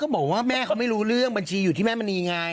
บอกว่าแม่เขาไม่รู้เรื่องบัญชีอยู่ที่แม่มณีไง